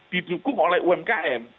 didukung oleh umkm